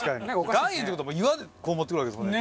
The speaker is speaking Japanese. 岩塩って事は岩でこう持ってくるわけですもんね